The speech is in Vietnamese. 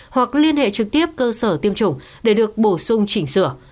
hoặc liên hệ trực tiếp cơ sở tiêm chủng để được bổ sung chỉnh sửa